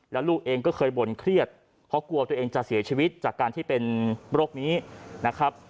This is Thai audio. แล้วลูกเองก็เคยบ่นเครียดเพราะกลัวตัวเองจะเสียชีวิตจากการที่เป็นโรคนี้นะครับ